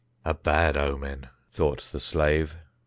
"A bad omen!" thought the slave.